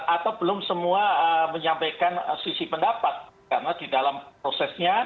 atau belum semua menyampaikan sisi pendapat karena di dalam prosesnya